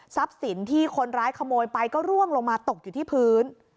สินที่คนร้ายขโมยไปก็ร่วงลงมาตกอยู่ที่พื้น